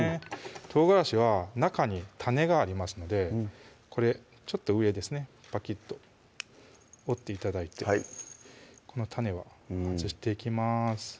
唐辛子は中に種がありますのでこれちょっと上ですねパキッと折って頂いてこの種は外していきます